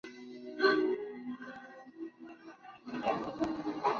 Esa noche, los ogros se preparan para tender una emboscada al carruaje de Rumpelstiltskin.